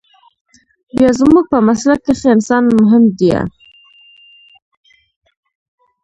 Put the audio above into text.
بيا زموږ په مسلک کښې انسان مهم ديه.